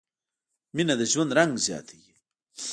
مینه د ژوند رنګ زیاتوي.